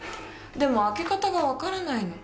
でも開け方がわからないの。